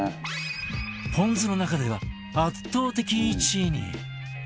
ぽん酢の中では圧倒的１位に